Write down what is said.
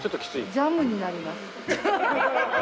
ジャムになります。